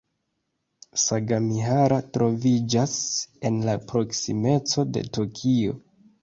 Sagamihara troviĝas en la proksimeco de Tokio.